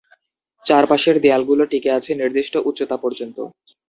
চারপাশের দেয়ালগুলো টিকে আছে নির্দিষ্ট উচ্চতা পর্যন্ত।